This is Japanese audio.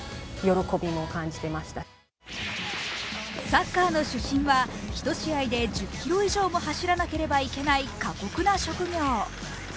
サッカーの主審は１試合で１０ｋｍ以上も走らなければいけない過酷な職業。